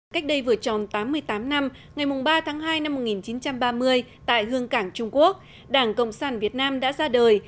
cách đây vừa tròn tám mươi tám năm ngày ba tháng hai năm một nghìn chín trăm ba mươi tại hương cảng trung quốc đảng cộng sản việt nam đã ra đời